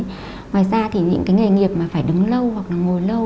ngoài ra thì những cái nghề nghiệp mà phải đứng lâu hoặc là ngồi lâu